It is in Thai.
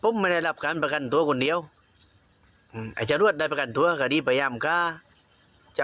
ต้มได้รับการประกันตัวคนเดียวจะลวนได้ประกันตัวภูมิไปอ่านก็จะ